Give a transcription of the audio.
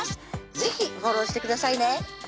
是非フォローしてくださいね